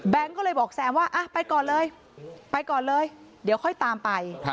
ก็เลยบอกแซมว่าไปก่อนเลยไปก่อนเลยเดี๋ยวค่อยตามไป